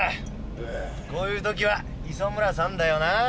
こういうときは磯村さんだよなぁ。